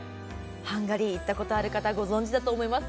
ハンガリー行ったことある方ならご存じだと思います。